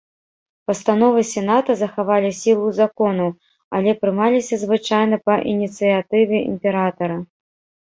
Пастановы сената захавалі сілу законаў, але прымаліся звычайна па ініцыятыве імператара.